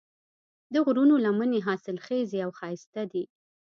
د غرونو لمنې حاصلخیزې او ښایسته دي.